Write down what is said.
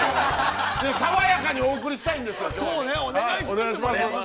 爽やかにお送りしたいんですよ。